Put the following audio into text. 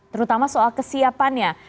terutama soal kesiapannya